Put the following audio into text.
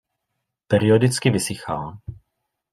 Periodicky vysychá.